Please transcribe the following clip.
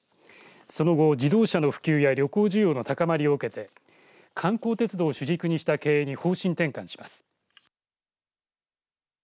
その後、自動車の普及や旅行需要の高まりを受けて観光鉄道を主軸にした経営に方針転換します。